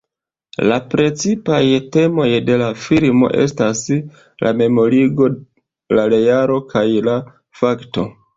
La precipaj temoj de la filmo estas la memorigo, la realo kaj la fakto.